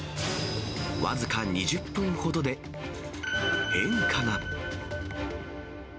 僅か２０分ほどで、変化が。